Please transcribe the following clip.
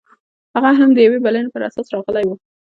هغه هم د یوې بلنې پر اساس راغلی و